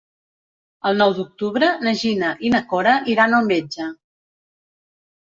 El nou d'octubre na Gina i na Cora iran al metge.